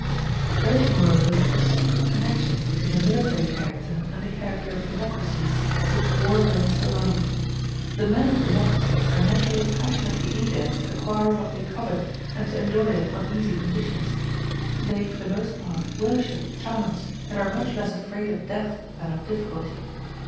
There is moreover a secret connection between the military character and the character of democracies, which war brings to light. The men of democracies are naturally passionately eager to acquire what they covet, and to enjoy it on easy conditions. They for the most part worship chance, and are much less afraid of death than of difficulty.